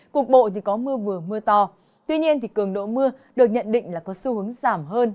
cục bộ thì có mưa vừa mưa to tuy nhiên cường độ mưa được nhận định là có xu hướng giảm hơn